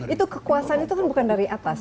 itu kekuasaan itu kan bukan dari atas